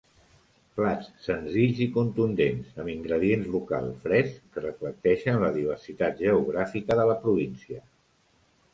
Plats senzills i contundents amb ingredients locals frescs que reflecteixen la diversitat geogràfica de la província.